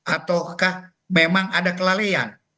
ataukah memang ada kelalaian